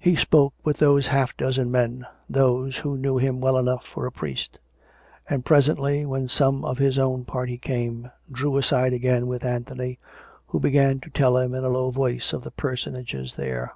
He spoke with those half dozen men — those who knew him well enough for a priest; and presently, when some of his own party came, drew aside again with Anthony, who began to tell him in a low voice of the personages there.